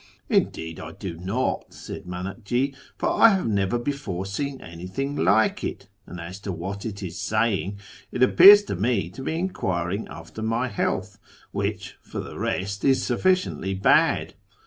'Indeed I do not,' said M;inakji, 'fur I liave never before seen anything like it; and as to what it is saying, it appears to me to be enquiring after my health, which, for the rest, is sufficiently bad.'